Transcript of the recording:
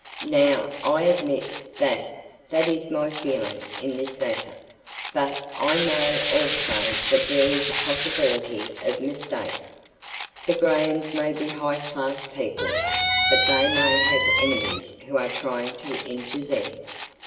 Now, I admit that that is my feeling in this matter, but I know also that there is a possibility of mistake. The Grahams may be high class people, but they may have enemies who are trying to injure them.